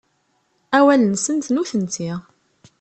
Awal-nsent, nutenti.